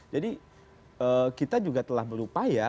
jadi kita juga telah berupaya